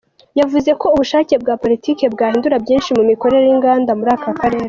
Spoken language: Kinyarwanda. Yavuze ko ubushake bwa politiki bwahindura byinshi mu mikorere y’inganda muri aka karere.